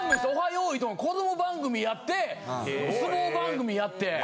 よいどん』子ども番組やって相撲番組やって。